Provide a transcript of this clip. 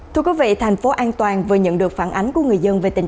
thưa quý vị thành phố an toàn vừa nhận được phản ánh của người dân